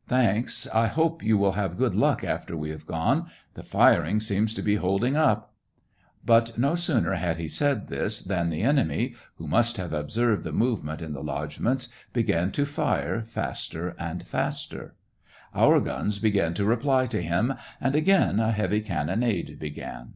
" Thanks, I hope you will have good luck after we have gone. The firing seems to be holding up." But no sooner had he said this than the enemy, who must have observed the movement in the lodgements, began to fire faster and faster. Our SEVASTOPOL IN MAY. 89 guns began to reply to him, and again a heavy cannonade began.